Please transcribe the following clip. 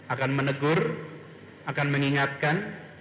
akan menegur akan mengingatkan